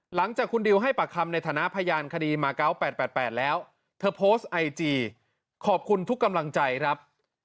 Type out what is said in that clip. หลังจากคุณดิวให้ปากคำในฐานะพยานคดีมา๙๘๘แล้วเธอโพสต์ไอจีขอบคุณทุกกำลังใจครับ